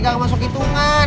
gak masuk hitungan